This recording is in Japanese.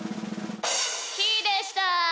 ひーでした！